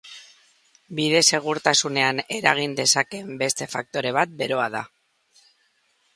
Bide segurtasunean eragin dezakeen beste faktore bat beroa da.